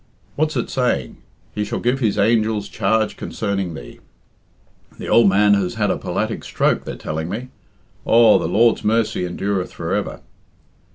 What's it saying, 'He shall give His angels charge concerning thee.' The ould man has had a polatic stroke, they're telling me. Aw, the Lord's mercy endureth for ever."